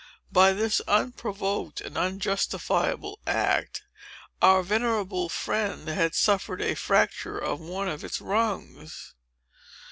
By this unprovoked and unjustifiable act, our venerable friend had suffered a fracture of one of its rungs.